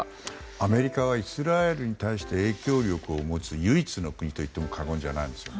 アメリカはイスラエルに対して影響力を持つ唯一の国と言っても過言じゃないんですね。